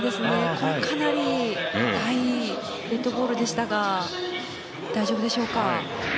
ここ、かなり痛い、デッドボールでしたが大丈夫でしょうか。